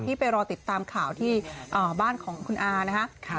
ที่ไปรอติดตามข่าวที่บ้านของคุณอา